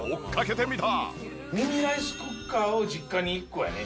ミニライスクッカーを実家に１個やね。